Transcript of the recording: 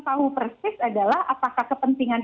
tahu persis adalah apakah kepentingan